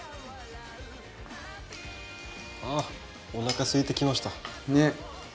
あおなかすいてきました。ねっ。